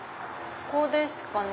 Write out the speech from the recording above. ここですかね？